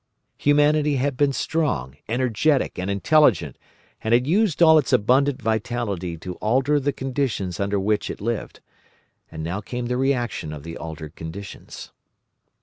Humanity had been strong, energetic, and intelligent, and had used all its abundant vitality to alter the conditions under which it lived. And now came the reaction of the altered conditions.